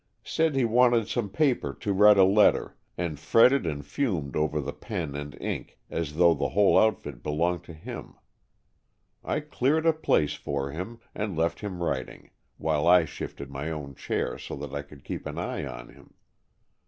Said he wanted some paper to write a letter and fretted and fumed over the pen and ink as though the whole outfit belonged to him. I cleared a place for him, and left him writing, while I shifted my own chair so that I could keep an eye on him.